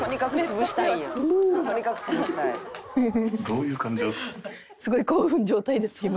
どういう感情ですか？